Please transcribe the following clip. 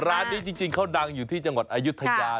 ร้านนี้จริงเขาดังอยู่ที่จังหวัดอายุทยา